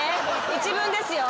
１文ですよ。